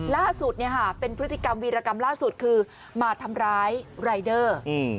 ล่าสุดเนี่ยค่ะเป็นพฤติกรรมวีรกรรมล่าสุดคือมาทำร้ายรายเดอร์